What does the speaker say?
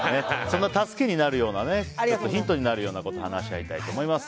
そんな助けになるようなヒントになるようなことを話し合いたいと思います。